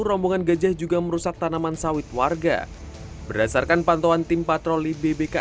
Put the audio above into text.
rombongan gajah juga merusak tanaman sawit warga berdasarkan pantauan tim patroli bbk